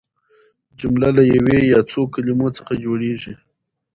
جمله له یوې یا څو کلیمو څخه جوړیږي.